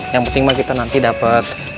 yang penting mah kita nanti dapat